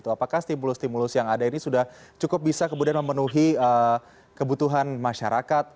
apakah stimulus stimulus yang ada ini sudah cukup bisa kemudian memenuhi kebutuhan masyarakat